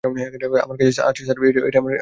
আমার কাছে আছে স্যার, এটাই আমার কাছে যথেষ্ট, স্যার।